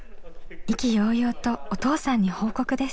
意気揚々とお父さんに報告です。